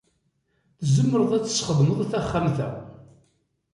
Tzemreḍ ad tessxedmeḍ taxxamt-a.